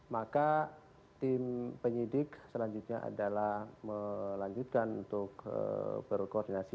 maka tim penyidik selanjutnya adalah melanjutkan untuk berkoordinasi